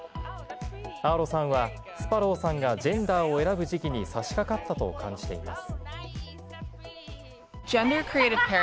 アーロさんは、スパロウさんがジェンダーを選ぶ時期にさしかかったと感じています。